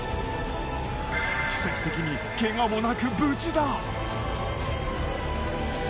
奇跡的にケガもなく無事だ。